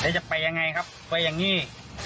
จะไปอย่างไรครับไฟอย่างนี้